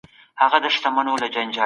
د قرآن لارښوونه به د سولي لاره وي.